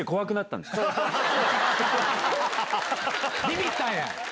ビビったんや。